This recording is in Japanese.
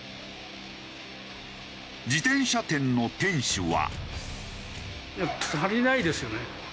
自転車店の店主は。